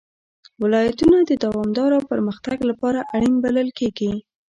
ولایتونه د دوامداره پرمختګ لپاره اړین بلل کېږي.